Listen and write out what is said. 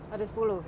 ada sepuluh ya